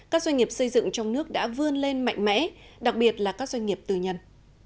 các doanh nghiệp xây dựng trong nước đã vươn lên mạnh mẽ đặc biệt là các doanh nghiệp tư nhân